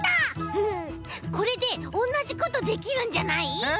フフッこれでおんなじことできるんじゃない？え？